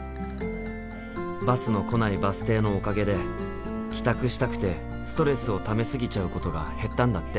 バスの来ないバス停のおかげで帰宅したくてストレスをため過ぎちゃうことが減ったんだって。